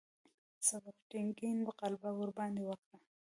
سبکتګین غلبه ورباندې وکړه.